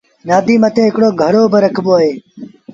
نآديٚ مٿي هڪڙو گھڙو با رکبو اهي۔